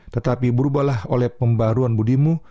tetapi berubahlah oleh pembaruan budimu